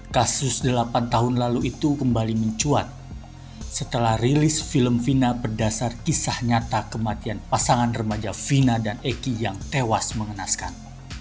kasus delapan tahun lalu itu kembali mencuat setelah rilis film fina berdasar kisah nyata kematian pasangan remaja vina dan eki yang tewas mengenaskan